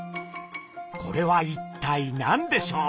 これは一体何でしょう？